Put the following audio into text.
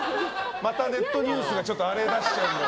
またネットニュースが荒れだしちゃうんで。